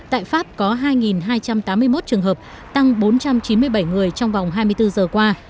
tại pháp có hai hai trăm tám mươi một trường hợp tăng bốn trăm chín mươi bảy người trong vòng hai mươi bốn giờ qua